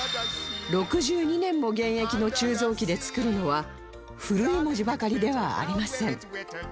６２年も現役の鋳造機で作るのは古い文字ばかりではありません